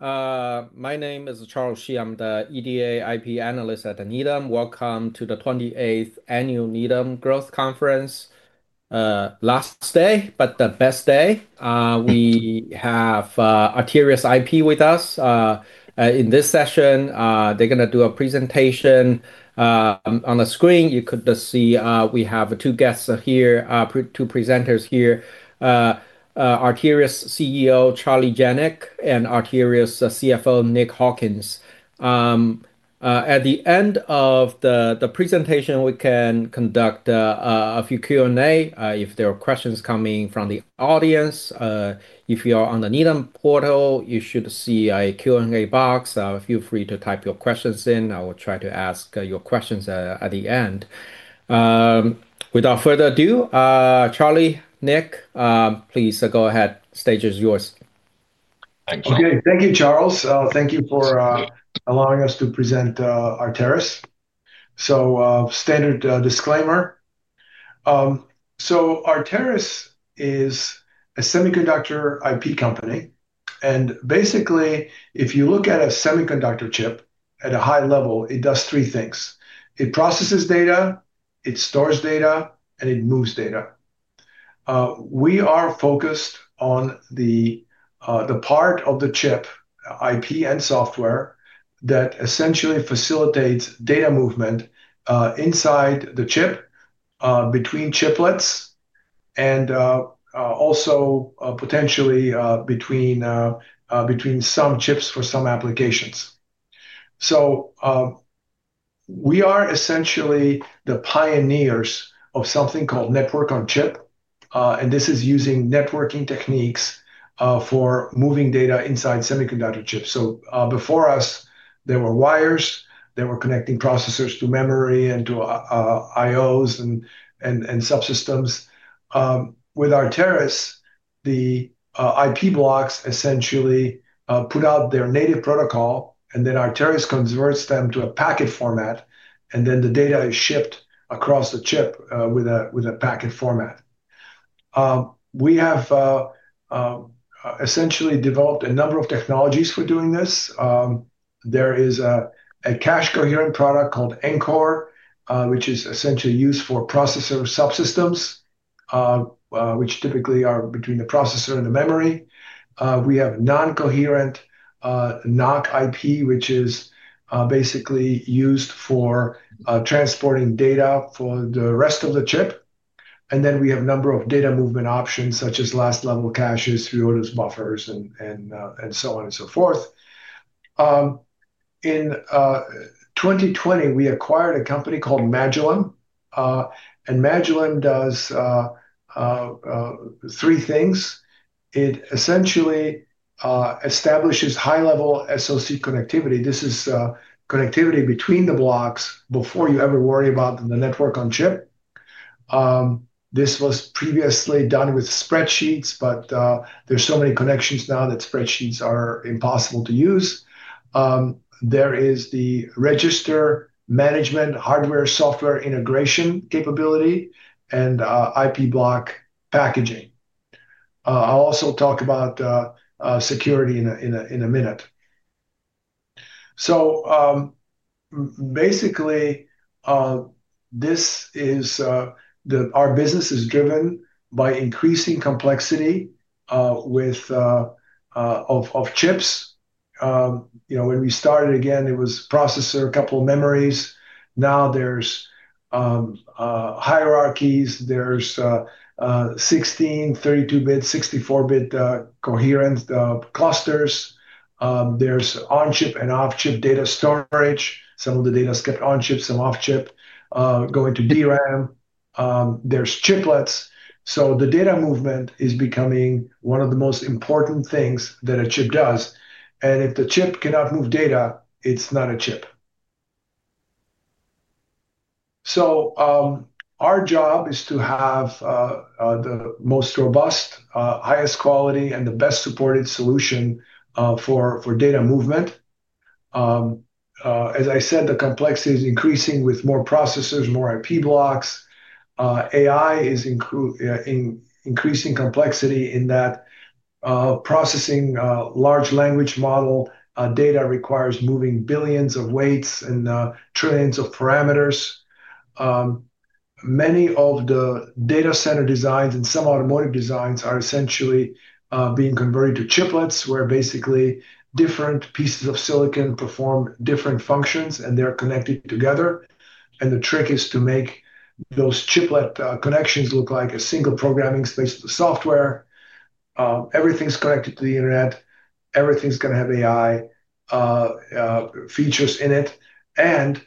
My name is Charles Shi. I'm the EDA IP analyst at Needham. Welcome to the 28th Annual Needham Growth Conference. Last day, but the best day. We have Arteris IP with us in this session. They're going to do a presentation on the screen. You could just see we have two guests here, two presenters here: Arteris CEO Charlie Janac and Arteris CFO Nick Hawkins. At the end of the presentation, we can conduct a few Q&A. If there are questions coming from the audience, if you are on the Needham portal, you should see a Q&A box. Feel free to type your questions in. I will try to ask your questions at the end. Without further ado, Charlie, Nick, please go ahead. Stage is yours. Thank you. Okay. Thank you, Charles. Thank you for allowing us to present Arteris. So standard disclaimer. So Arteris is a semiconductor IP company. And basically, if you look at a semiconductor chip at a high level, it does three things. It processes data, it stores data, and it moves data. We are focused on the part of the chip, IP and software, that essentially facilitates data movement inside the chip, between chiplets, and also potentially between some chips for some applications. So we are essentially the pioneers of something called network on chip. And this is using networking techniques for moving data inside semiconductor chips. So before us, there were wires that were connecting processors to memory and to I/Os and subsystems. With Arteris, the IP blocks essentially put out their native protocol, and then Arteris converts them to a packet format, and then the data is shipped across the chip with a packet format. We have essentially developed a number of technologies for doing this. There is a cache-coherent product called Ncore, which is essentially used for processor subsystems, which typically are between the processor and the memory. We have non-coherent NoC IP, which is basically used for transporting data for the rest of the chip. And then we have a number of data movement options, such as last-level caches, reorder buffers, and so on and so forth. In 2020, we acquired a company called Magillem. And Magillem does three things. It essentially establishes high-level SoC connectivity. This is connectivity between the blocks before you ever worry about the network-on-chip. This was previously done with spreadsheets, but there are so many connections now that spreadsheets are impossible to use. There is the register management, hardware-software integration capability, and IP block packaging. I'll also talk about security in a minute. So basically, our business is driven by increasing complexity of chips. When we started, again, it was processor, a couple of memories. Now there's hierarchies. There's 16-bit, 32-bit, 64-bit coherent clusters. There's on-chip and off-chip data storage. Some of the data is kept on-chip, some off-chip, going to DRAM. There's chiplets. So the data movement is becoming one of the most important things that a chip does. And if the chip cannot move data, it's not a chip. So our job is to have the most robust, highest quality, and the best-supported solution for data movement. As I said, the complexity is increasing with more processors, more IP blocks. AI is increasing complexity in that processing large language model data requires moving billions of weights and trillions of parameters. Many of the data center designs and some automotive designs are essentially being converted to chiplets, where basically different pieces of silicon perform different functions, and they're connected together, and the trick is to make those chiplet connections look like a single programming space of the software. Everything's connected to the internet. Everything's going to have AI features in it, and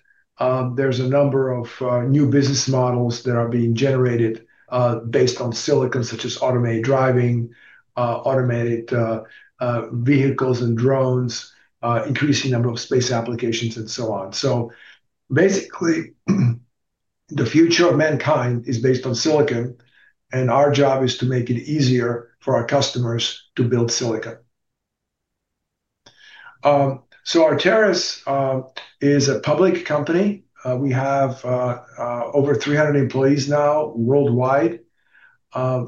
there's a number of new business models that are being generated based on silicon, such as automated driving, automated vehicles and drones, increasing number of space applications, and so on, so basically, the future of mankind is based on silicon, and our job is to make it easier for our customers to build silicon, so Arteris is a public company. We have over 300 employees now worldwide.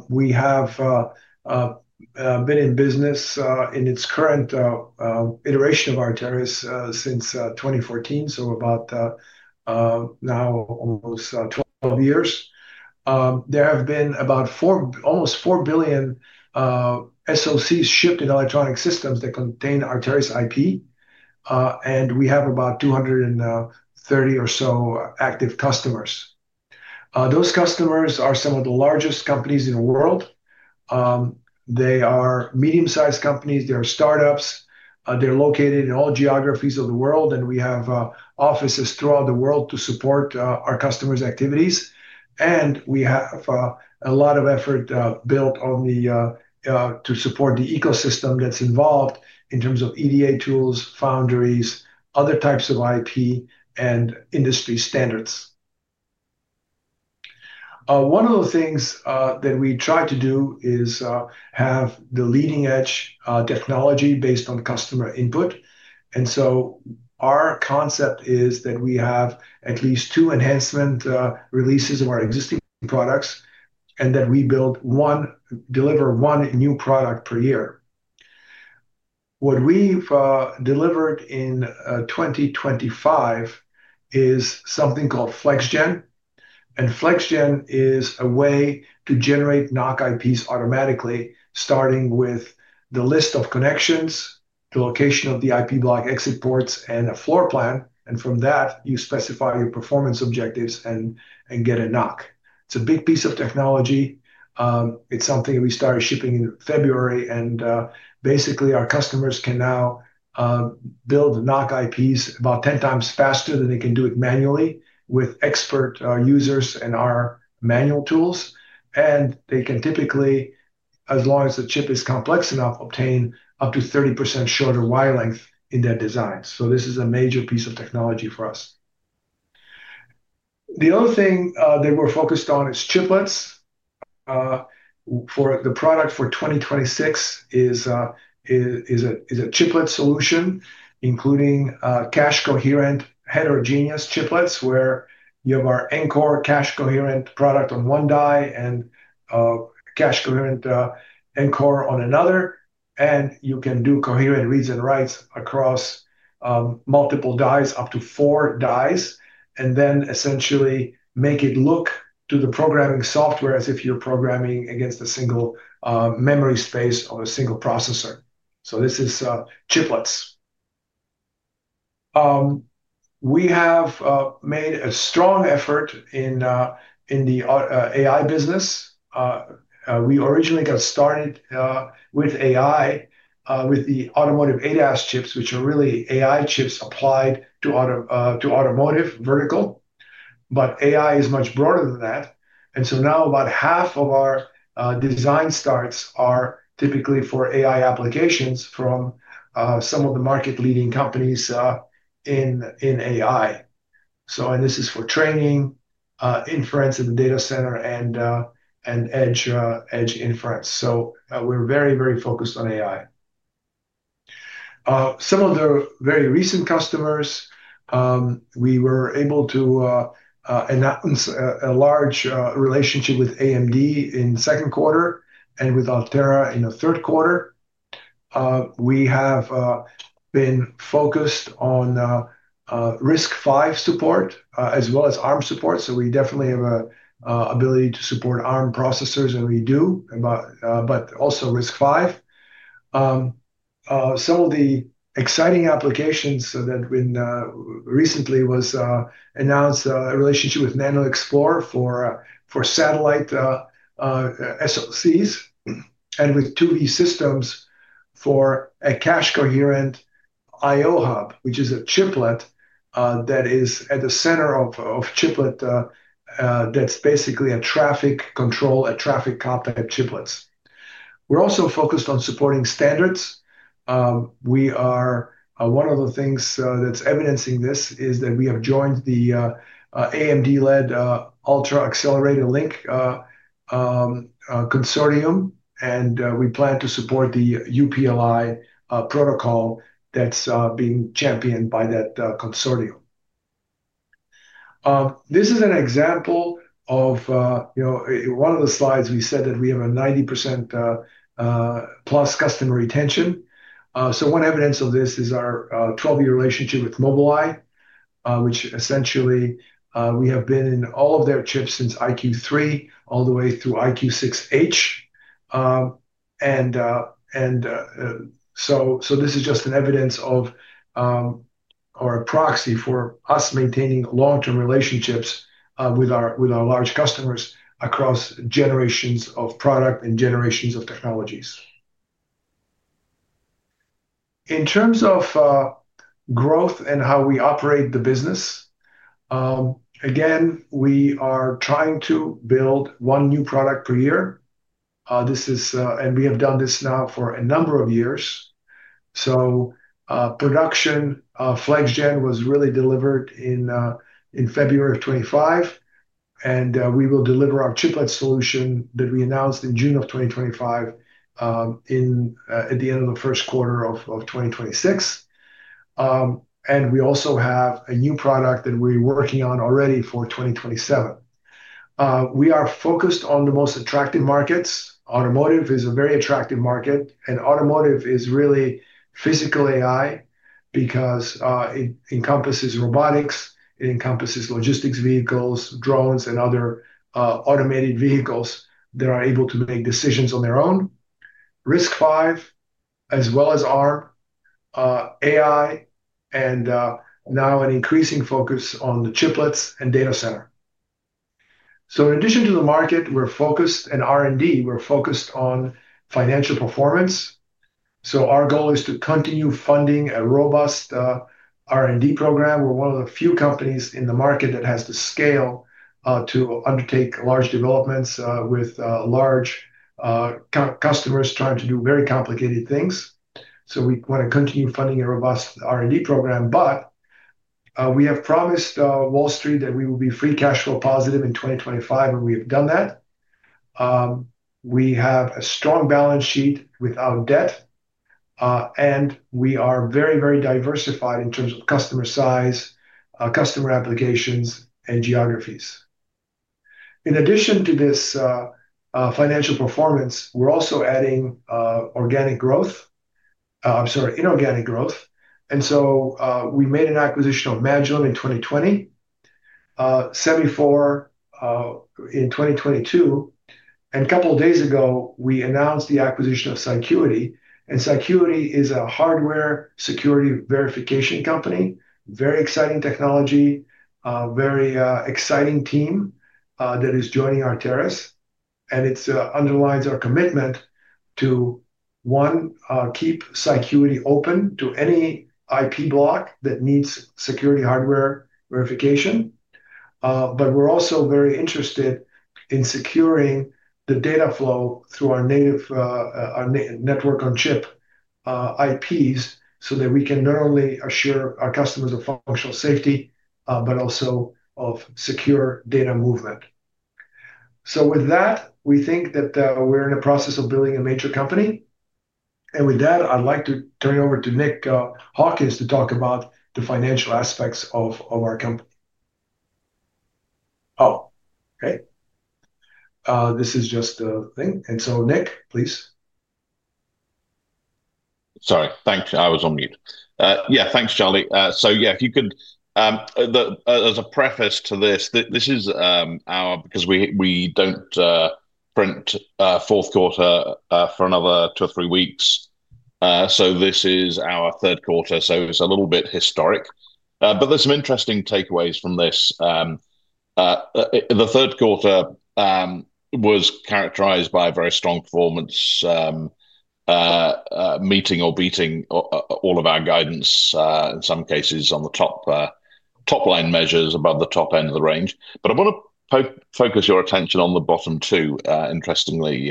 We have been in business in its current iteration of Arteris since 2014, so about now almost 12 years. There have been about almost 4 billion SoCs shipped in electronic systems that contain Arteris IP, and we have about 230 or so active customers. Those customers are some of the largest companies in the world. They are medium-sized companies. They are startups. They're located in all geographies of the world, and we have offices throughout the world to support our customers' activities, and we have a lot of effort built on the to support the ecosystem that's involved in terms of EDA tools, foundries, other types of IP, and industry standards. One of the things that we try to do is have the leading-edge technology based on customer input. And so our concept is that we have at least two enhancement releases of our existing products and that we deliver one new product per year. What we've delivered in 2025 is something called FlexGen. And FlexGen is a way to generate NoC IPs automatically, starting with the list of connections, the location of the IP block exit ports, and a floor plan. And from that, you specify your performance objectives and get a NoC. It's a big piece of technology. It's something we started shipping in February. And basically, our customers can now build NoC IPs about 10 times faster than they can do it manually with expert users and our manual tools. And they can typically, as long as the chip is complex enough, obtain up to 30% shorter wire length in their designs. So this is a major piece of technology for us. The other thing that we're focused on is chiplets. For the product for 2026 is a chiplet solution, including cache-coherent heterogeneous chiplets, where you have our Ncore cache-coherent product on one die and cache-coherent Ncore on another, and you can do coherent reads and writes across multiple dies, up to four dies, and then essentially make it look to the programming software as if you're programming against a single memory space or a single processor, so this is chiplets. We have made a strong effort in the AI business. We originally got started with AI with the automotive ADAS chips, which are really AI chips applied to automotive vertical, but AI is much broader than that, and so now about half of our design starts are typically for AI applications from some of the market-leading companies in AI. This is for training, inference in the data center, and edge inference. We're very, very focused on AI. Some of the very recent customers, we were able to announce a large relationship with AMD in the second quarter and with Altera in the third quarter. We have been focused on RISC-V support as well as Arm support. We definitely have an ability to support Arm processors, and we do, but also RISC-V. Some of the exciting applications that recently were announced are in relationship with NanoXplore for satellite SoCs and with 2V systems for a cache-coherent I/O hub, which is a chiplet that is at the center of a chiplet that's basically a traffic cop for chiplets. We're also focused on supporting standards. One of the things that's evidencing this is that we have joined the AMD-led Ultra Accelerator Link Consortium. We plan to support the UALink protocol that's being championed by that consortium. This is an example of one of the slides. We said that we have a 90% plus customer retention. One evidence of this is our 12-year relationship with Mobileye, which essentially we have been in all of their chips since EyeQ3 all the way through EyeQ6H. This is just an evidence of or a proxy for us maintaining long-term relationships with our large customers across generations of product and generations of technologies. In terms of growth and how we operate the business, again, we are trying to build one new product per year. We have done this now for a number of years. Production of FlexGen was really delivered in February of 2025. And we will deliver our chiplet solution that we announced in June of 2025 at the end of the first quarter of 2026. And we also have a new product that we're working on already for 2027. We are focused on the most attractive markets. Automotive is a very attractive market. And automotive is really physical AI because it encompasses robotics. It encompasses logistics vehicles, drones, and other automated vehicles that are able to make decisions on their own. RISC-V, as well as Arm, AI, and now an increasing focus on the chiplets and data center. So in addition to the market, we're focused in R&D, we're focused on financial performance. So our goal is to continue funding a robust R&D program. We're one of the few companies in the market that has the scale to undertake large developments with large customers trying to do very complicated things. So we want to continue funding a robust R&D program. But we have promised Wall Street that we will be free cash flow positive in 2025, and we have done that. We have a strong balance sheet without debt. And we are very, very diversified in terms of customer size, customer applications, and geographies. In addition to this financial performance, we're also adding organic growth, I'm sorry, inorganic growth. And so we made an acquisition of Magillem in 2020, Semifore in 2022. And a couple of days ago, we announced the acquisition of Cycuity. And Cycuity is a hardware security verification company. Very exciting technology, very exciting team that is joining Arteris. And it underlines our commitment to, one, keep Cycuity open to any IP block that needs security hardware verification. But we're also very interested in securing the data flow through our native network on chip IPs so that we can not only assure our customers of functional safety, but also of secure data movement. So with that, we think that we're in the process of building a major company. And with that, I'd like to turn it over to Nick Hawkins to talk about the financial aspects of our company. Oh, okay. This is just the thing. And so Nick, please. Sorry. Thanks. I was on mute. Yeah, thanks, Charlie. So yeah, if you could, as a preface to this, this is our because we don't print fourth quarter for another two or three weeks. So this is our third quarter. So it's a little bit historic. But there's some interesting takeaways from this. The third quarter was characterized by very strong performance, meeting or beating all of our guidance, in some cases on the top line measures above the top end of the range. But I want to focus your attention on the bottom two, interestingly.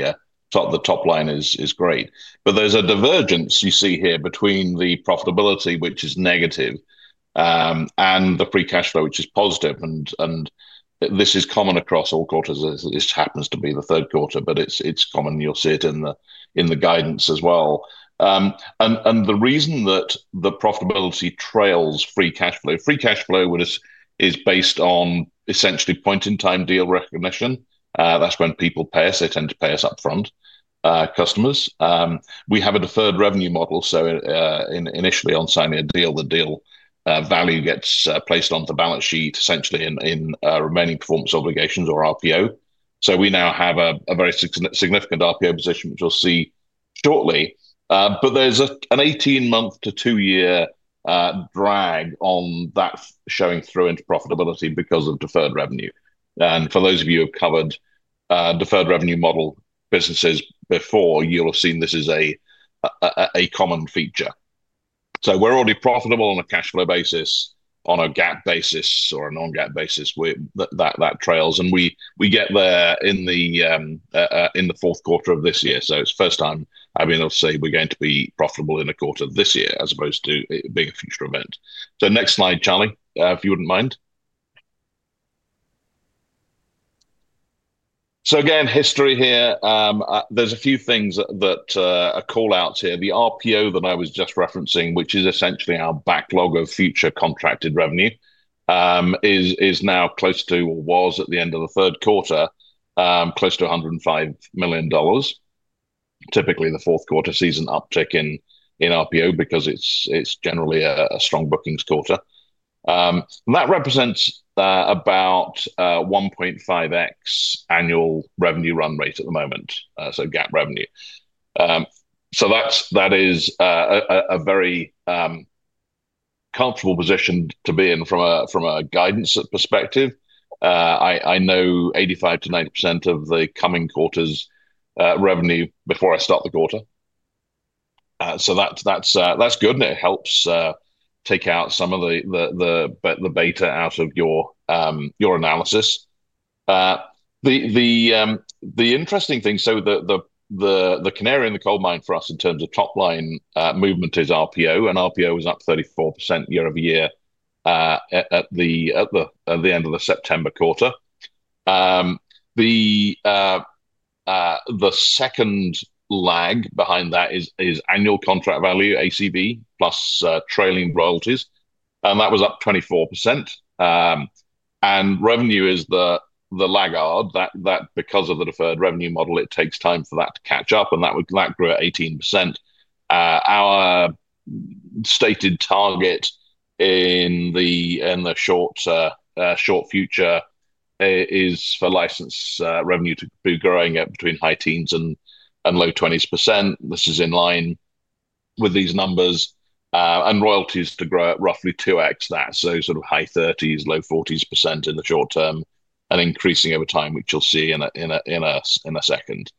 The top line is great. But there's a divergence you see here between the profitability, which is negative, and the free cash flow, which is positive. And this is common across all quarters. This happens to be the third quarter, but it's common. You'll see it in the guidance as well. And the reason that the profitability trails free cash flow, free cash flow is based on essentially point-in-time deal recognition. That's when people pay us. They tend to pay us upfront, customers. We have a deferred revenue model. So initially, on signing a deal, the deal value gets placed on the balance sheet, essentially in remaining performance obligations or RPO. So we now have a very significant RPO position, which we'll see shortly. But there's an 18-month to two-year drag on that showing through into profitability because of deferred revenue. And for those of you who have covered deferred revenue model businesses before, you'll have seen this is a common feature. So we're already profitable on a cash flow basis, on a GAAP basis or a non-GAAP basis. That trails. And we get there in the fourth quarter of this year. So it's the first time, I mean, I'll say we're going to be profitable in the quarter this year as opposed to being a future event. So next slide, Charlie, if you wouldn't mind. So again, history here. There's a few things that are callouts here. The RPO that I was just referencing, which is essentially our backlog of future contracted revenue, is now close to or was at the end of the third quarter, close to $105 million. Typically the fourth quarter season uptick in RPO because it's generally a strong bookings quarter. That represents about 1.5x annual revenue run rate at the moment, so GAAP revenue, so that is a very comfortable position to be in from a guidance perspective. I know 85%-90% of the coming quarter's revenue before I start the quarter, so that's good, and it helps take out some of the beta out of your analysis. The interesting thing, so the canary in the coal mine for us in terms of top-line movement is RPO, and RPO was up 34% year over year at the end of the September quarter. The second lag behind that is annual contract value, ACV, plus trailing royalties. And that was up 24%. And revenue is the laggard that because of the deferred revenue model, it takes time for that to catch up. And that grew at 18%. Our stated target in the short future is for license revenue to be growing at between high teens and low 20s %. This is in line with these numbers. And royalties to grow at roughly 2x that. So sort of high 30s, low 40s % in the short term, and increasing over time, which you'll see in a second.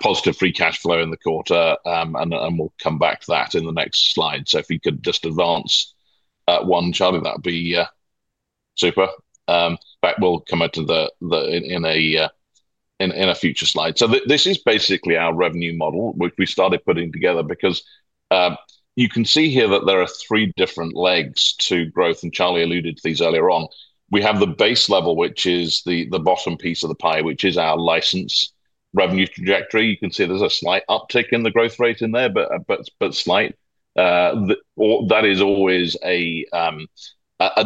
Positive free cash flow in the quarter. And we'll come back to that in the next slide. So if you could just advance one, Charlie, that would be super. In fact, we'll come to it in a future slide. This is basically our revenue model, which we started putting together because you can see here that there are three different legs to growth. Charlie alluded to these earlier on. We have the base level, which is the bottom piece of the pie, which is our license revenue trajectory. You can see there's a slight uptick in the growth rate in there, but slight. That is always a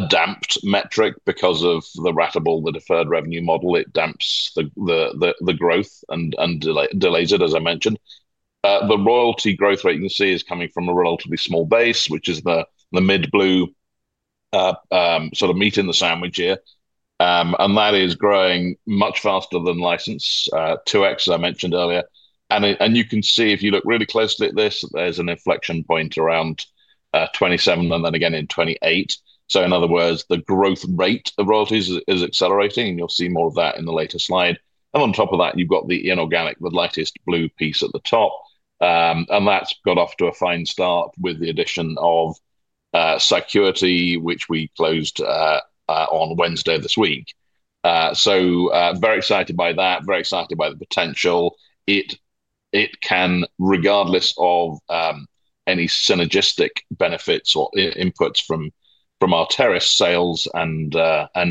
damped metric because of the ratable, the deferred revenue model. It damps the growth and delays it, as I mentioned. The royalty growth rate you can see is coming from a relatively small base, which is the mid-blue sort of meat in the sandwich here. That is growing much faster than license, 2x, as I mentioned earlier. You can see if you look really closely at this, there's an inflection point around 2027 and then again in 2028. So in other words, the growth rate of royalties is accelerating. And you'll see more of that in the later slide. And on top of that, you've got the inorganic, the lightest blue piece at the top. And that's got off to a fine start with the addition of Cycuity, which we closed on Wednesday this week. So very excited by that, very excited by the potential. It can, regardless of any synergistic benefits or inputs from our Arteris sales and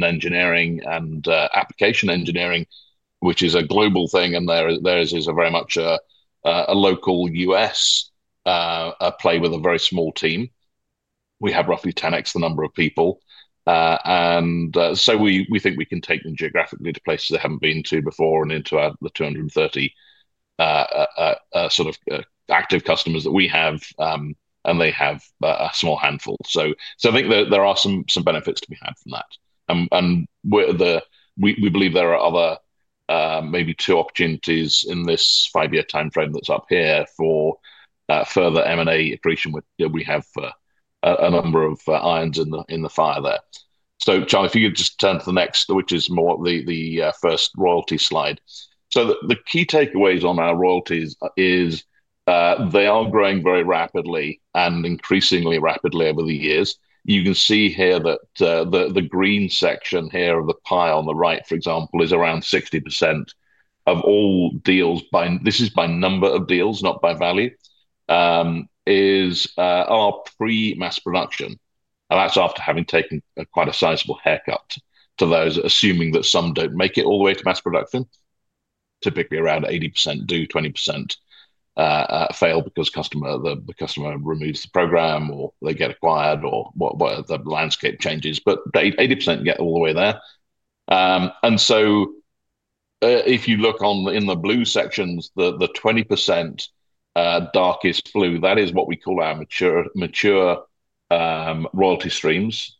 engineering and application engineering, which is a global thing. And theirs is very much a local U.S. play with a very small team. We have roughly 10x the number of people. And so we think we can take them geographically to places they haven't been to before and into the 230 sort of active customers that we have. And they have a small handful. So I think there are some benefits to be had from that. And we believe there are other maybe two opportunities in this five-year timeframe that's up here for further M&A accretion. We have a number of irons in the fire there. So Charlie, if you could just turn to the next, which is more the first royalty slide. So the key takeaways on our royalties is they are growing very rapidly and increasingly rapidly over the years. You can see here that the green section here of the pie on the right, for example, is around 60% of all deals by. This is by number of deals, not by value, is our pre-mass production. And that's after having taken quite a sizable haircut to those, assuming that some don't make it all the way to mass production. Typically around 80% do, 20% fail because the customer removes the program or they get acquired or the landscape changes, but 80% get all the way there, and so if you look in the blue sections, the 20% darkest blue, that is what we call our mature royalty streams.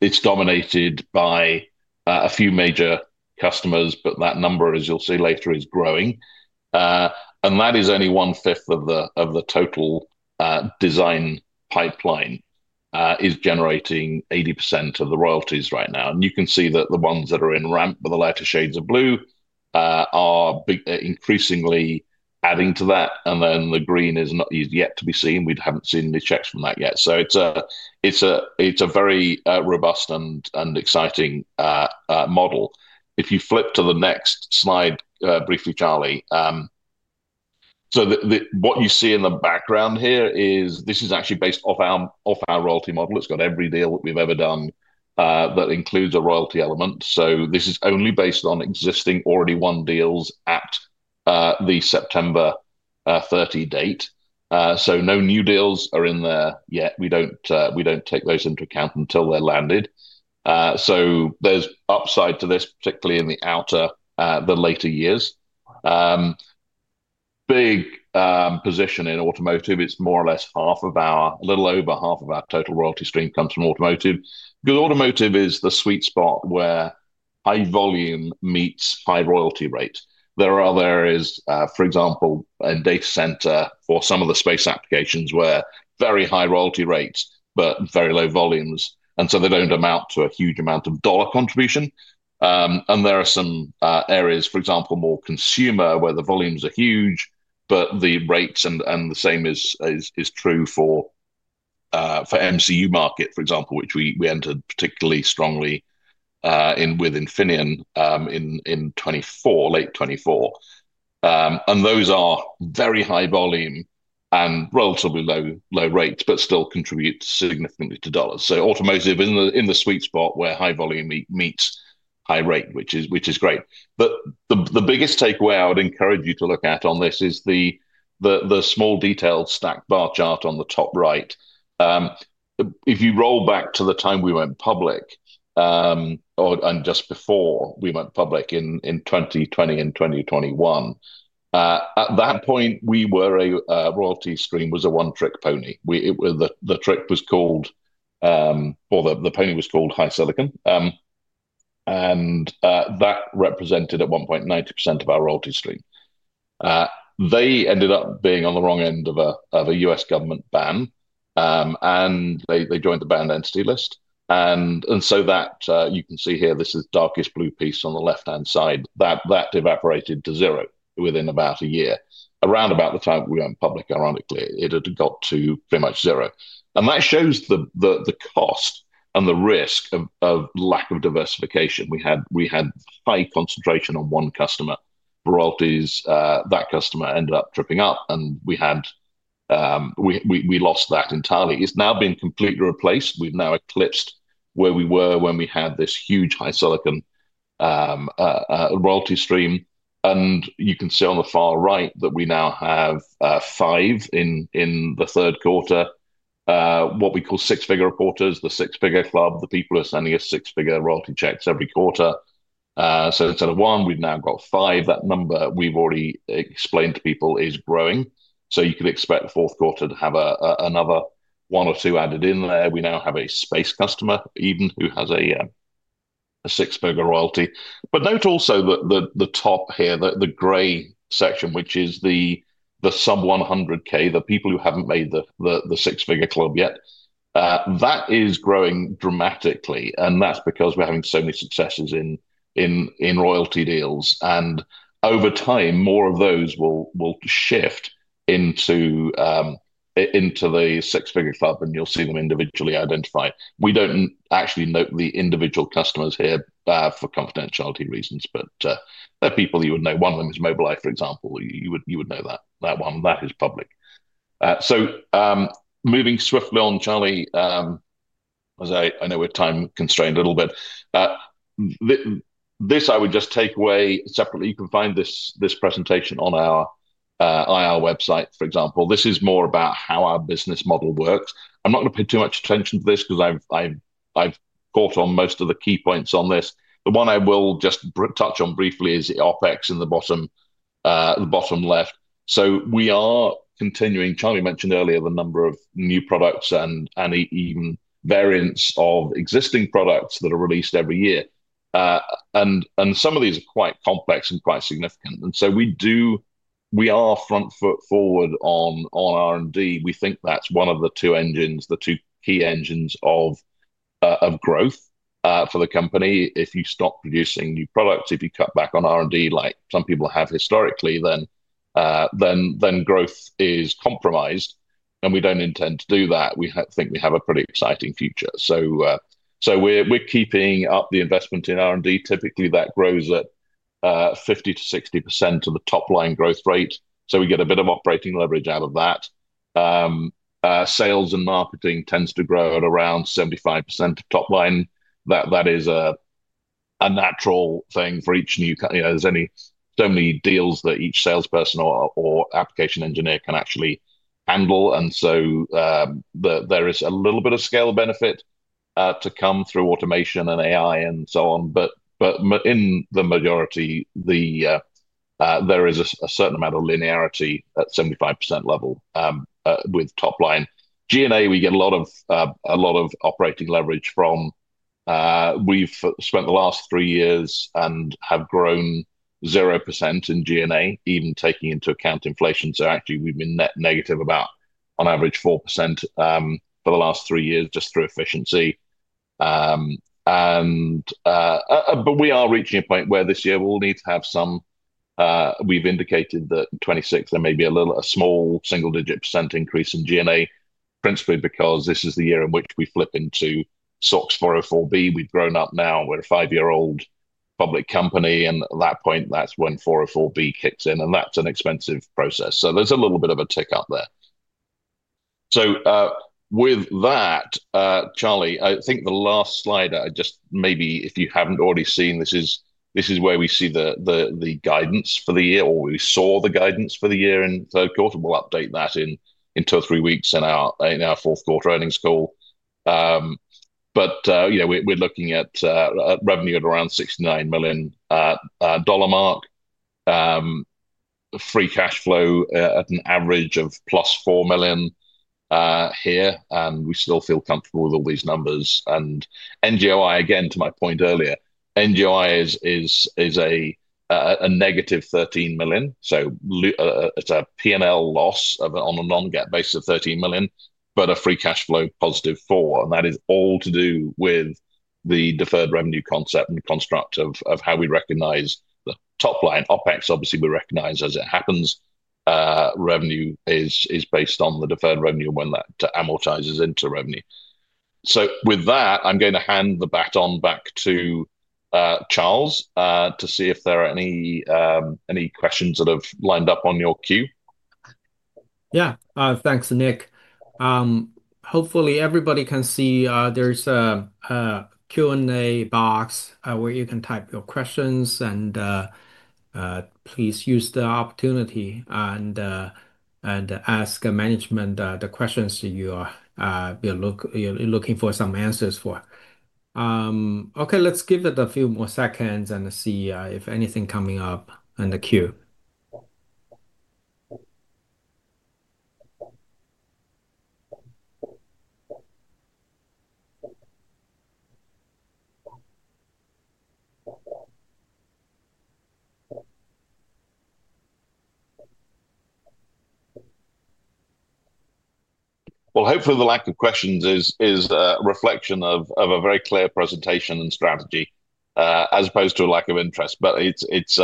It's dominated by a few major customers, but that number, as you'll see later, is growing, and that is only one-fifth of the total design pipeline, is generating 80% of the royalties right now, and you can see that the ones that are in ramp with the lighter shades of blue are increasingly adding to that, and then the green is not yet to be seen. We haven't seen the checks from that yet, so it's a very robust and exciting model. If you flip to the next slide briefly, Charlie, so what you see in the background here is this is actually based off our royalty model. It's got every deal that we've ever done that includes a royalty element. So this is only based on existing already won deals at the September 30 date. So no new deals are in there yet. We don't take those into account until they're landed. So there's upside to this, particularly in the outer, the later years. Big position in automotive, it's more or less half of our, a little over half of our total royalty stream comes from automotive. Because automotive is the sweet spot where high volume meets high royalty rate. There are other areas, for example, in data center or some of the space applications where very high royalty rates, but very low volumes. And so they don't amount to a huge amount of dollar contribution. There are some areas, for example, more consumer where the volumes are huge, but the rates and the same is true for MCU market, for example, which we entered particularly strongly with Infineon in late 2024. And those are very high volume and relatively low rates, but still contribute significantly to dollars. Automotive is in the sweet spot where high volume meets high rate, which is great. The biggest takeaway I would encourage you to look at on this is the small detailed stacked bar chart on the top right. If you roll back to the time we went public and just before we went public in 2020 and 2021, at that point, we were a royalty stream was a one-trick pony. The trick was called, or the pony was called HiSilicon. And that represented at one point 90% of our royalty stream. They ended up being on the wrong end of a U.S. government ban. And they joined the banned entity list. And so that you can see here, this is darkest blue piece on the left-hand side. That evaporated to zero within about a year. Around about the time we went public, ironically, it had got to pretty much zero. And that shows the cost and the risk of lack of diversification. We had high concentration on one customer for royalties. That customer ended up tripping up. And we lost that entirely. It's now been completely replaced. We've now eclipsed where we were when we had this huge HiSilicon royalty stream. And you can see on the far right that we now have five in the third quarter, what we call six-figure reporters, the six-figure club. The people are sending us six-figure royalty checks every quarter. So instead of one, we've now got five. That number we've already explained to people is growing. So you can expect the fourth quarter to have another one or two added in there. We now have a space customer even who has a six-figure royalty. But note also that the top here, the gray section, which is the sub-100K, the people who haven't made the six-figure club yet, that is growing dramatically. And that's because we're having so many successes in royalty deals. And over time, more of those will shift into the six-figure club, and you'll see them individually identified. We don't actually note the individual customers here for confidentiality reasons, but they're people you would know. One of them is Mobileye, for example. You would know that one. That is public. So moving swiftly on, Charlie, as I know we're time-constrained a little bit, this I would just take away separately. You can find this presentation on our IR website, for example. This is more about how our business model works. I'm not going to pay too much attention to this because I've caught on most of the key points on this. The one I will just touch on briefly is the OpEx in the bottom left. So we are continuing, Charlie mentioned earlier, the number of new products and even variants of existing products that are released every year. And some of these are quite complex and quite significant. And so we are front-foot forward on R&D. We think that's one of the two engines, the two key engines of growth for the company. If you stop producing new products, if you cut back on R&D like some people have historically, then growth is compromised. And we don't intend to do that. We think we have a pretty exciting future. So we're keeping up the investment in R&D. Typically, that grows at 50%-60% of the top-line growth rate. So we get a bit of operating leverage out of that. Sales and marketing tends to grow at around 75% of top-line. That is a natural thing for each new company. There's so many deals that each salesperson or application engineer can actually handle. And so there is a little bit of scale benefit to come through automation and AI and so on. But in the majority, there is a certain amount of linearity at 75% level with top-line. G&A, we get a lot of operating leverage from. We've spent the last three years and have grown 0% in G&A, even taking into account inflation. So actually, we've been net negative about, on average, 4% for the last three years just through efficiency. But we are reaching a point where this year we'll need to have some. We've indicated that in 2026, there may be a small single-digit % increase in G&A, principally because this is the year in which we flip into SOX 404(b). We've grown up now. We're a five-year-old public company. And at that point, that's when 404(b) kicks in. And that's an expensive process. So there's a little bit of a tick up there. So with that, Charlie, I think the last slide, just maybe if you haven't already seen, this is where we see the guidance for the year, or we saw the guidance for the year in third quarter. We'll update that in two or three weeks in our fourth quarter earnings call, but we're looking at revenue at around $69 million mark, free cash flow at an average of plus $4 million here, and we still feel comfortable with all these numbers, and NGOI, again, to my point earlier, NGOI is a negative $13 million, so it's a P&L loss on a non-GAAP basis of $13 million, but a free cash flow positive $4 million, and that is all to do with the deferred revenue concept and construct of how we recognize the top-line. OpEx, obviously, we recognize as it happens. Revenue is based on the deferred revenue when that amortizes into revenue, so with that, I'm going to hand the baton back to Charles to see if there are any questions that have lined up on your queue. Yeah, thanks, Nick. Hopefully, everybody can see there's a Q&A box where you can type your questions. Please use the opportunity and ask management the questions you're looking for some answers for. Okay, let's give it a few more seconds and see if anything's coming up in the queue. Hopefully, the lack of questions is a reflection of a very clear presentation and strategy as opposed to a lack of interest. It's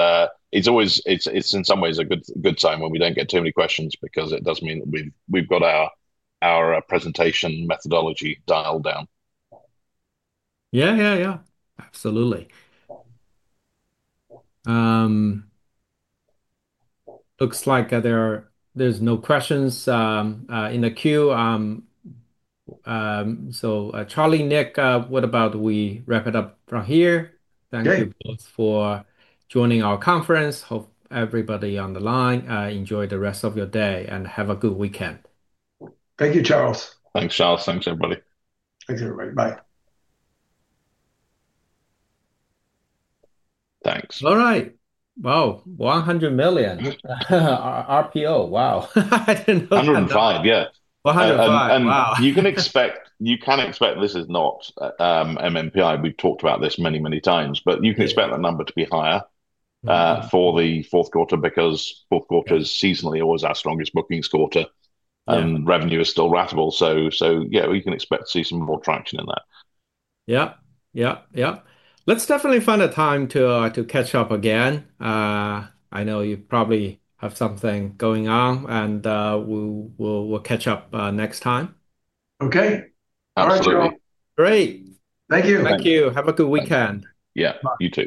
always, in some ways, a good sign when we don't get too many questions because it does mean that we've got our presentation methodology dialed down. Yeah, yeah, yeah. Absolutely. Looks like there's no questions in the queue. Charlie, Nick, what about we wrap it up from here? Thank you both for joining our conference. Hope everybody on the line enjoy the rest of your day and have a good weekend. Thank you, Charles. Thanks, Charles. Thanks, everybody. Thanks, everybody. Bye. Thanks. All right. Wow, $100 million RPO. Wow. I didn't know that. $105, yeah. $105. And you can expect this is not MNPI. We've talked about this many, many times. But you can expect that number to be higher for the fourth quarter because fourth quarter is seasonally always our strongest bookings quarter. And revenue is still ratable. So yeah, we can expect to see some more traction in that. Yep, yep, yep. Let's definitely find a time to catch up again. I know you probably have something going on. And we'll catch up next time. Okay. All right, Charlie. Great. Thank you. Thank you. Have a good weekend. Yeah, you too.